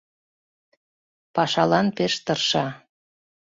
Пашалан пеш тырша